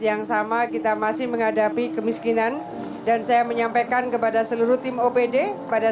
yang sama kita masih menghadapi kemiskinan dan saya menyampaikan kepada seluruh tim opd pada